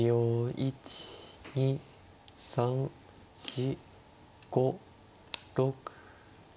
１２３４５６。